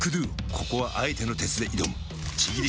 ここはあえての鉄で挑むちぎり